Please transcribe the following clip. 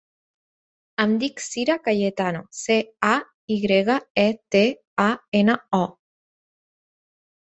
Em dic Cira Cayetano: ce, a, i grega, e, te, a, ena, o.